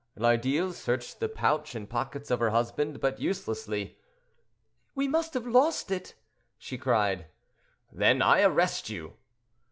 Lardille searched the pouch and pockets of her husband, but uselessly. "We must have lost it!" she cried. "Then I arrest you."